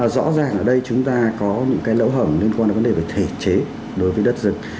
rõ ràng ở đây chúng ta có những cái lỗ hổng liên quan đến vấn đề về thể chế đối với đất rừng